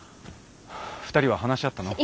２人は話し合ったの？